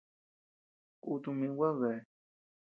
Kutu min gua deabea.